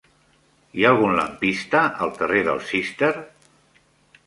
Hi ha algun lampista al carrer del Cister?